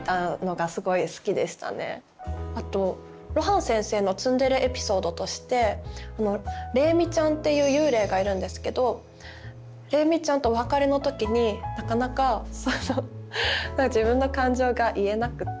あと露伴先生のツンデレエピソードとして鈴美ちゃんっていう幽霊がいるんですけど鈴美ちゃんとお別れの時になかなか自分の感情が言えなくって。